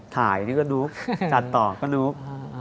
ถ่ายนี่ก็ลุกจัดต่อก็ลุก